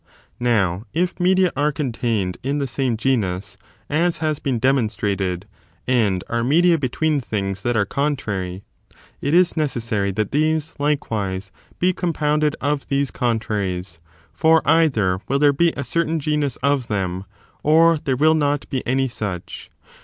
Now, if media are contained in the same genus, as has been demonstrated, and are media be posYd o?coT tween things that are contrary, it is necessary ^^« proved that these, likewise, be compounded of these con *^^"^ traries ; for either will there be a certain genus of them, or there will not be any such.